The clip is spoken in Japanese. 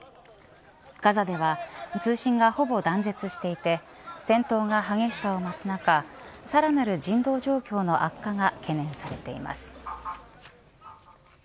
ガザでは通信がほぼ断絶していて戦闘が激しさを増す中さらなる人道状況の悪化が懸念されています。